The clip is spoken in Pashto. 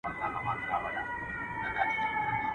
همدغه تصویر مي د ژوند تصویر دی.